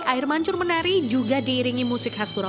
air mancur menari juga diiringi musik khas surabaya